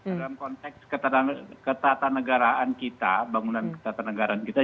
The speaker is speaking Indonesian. dalam konteks ketatanegaraan kita bangunan ketatanegaraan kita